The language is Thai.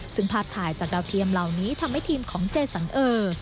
ซึ่งภาพถ่ายจากดาวเทียมเหล่านี้ทำให้ทีมของเจสันเออ